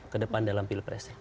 kedepan dalam pilpresnya